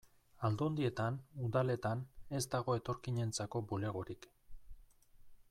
Aldundietan, udaletan, ez dago etorkinentzako bulegorik.